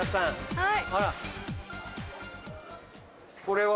はい？